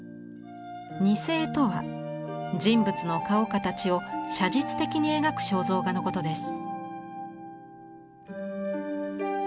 似絵とは人物の顔形を写実的に描く肖像画のことです。